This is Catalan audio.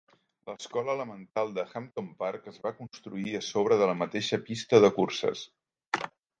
L'Escola Elemental de Hampton Park es va construir a sobre de la mateixa pista de curses.